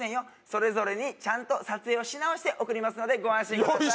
それぞれにちゃんと撮影をし直して送りますのでご安心ください